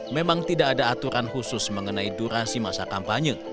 memang tidak ada aturan khusus mengenai durasi masa kampanye